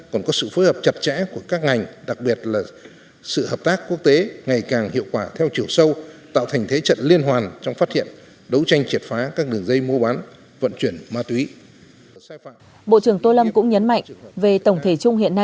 bộ kiểm tra kết hợp tuyên truyền của công an tp hà tĩnh